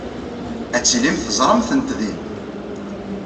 Ad tilimt teẓram-tent din.